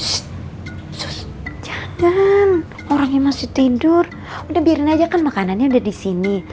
shhh sus jangan orangnya masih tidur udah biarin aja kan makanannya udah di sini